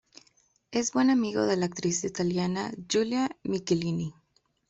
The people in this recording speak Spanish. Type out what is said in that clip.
Es buen amigo de la actriz italiana Giulia Michelini.